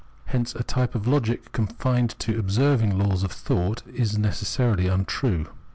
Hence a type of logic confined to "observing" laws of thought is necessarily untrue.